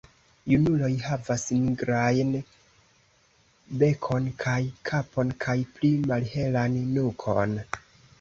Junuloj havas nigrajn bekon kaj kapon kaj pli malhelan nukon.